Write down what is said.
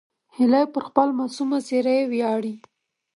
هیلۍ پر خپل معصوم څېره ویاړي